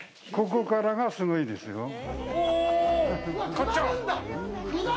ここからがすごいですよ。